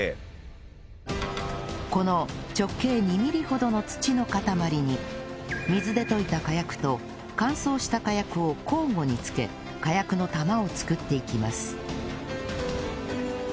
この直径２ミリほどの土の塊に水で溶いた火薬と乾燥した火薬を交互につけ火薬の玉を作っていきます